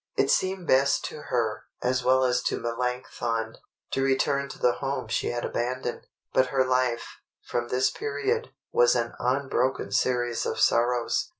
It seemed best to her, as well as to Melanchthon, to return to the home she had abandoned. But her life, from this period, was an unbroken series of sorrows.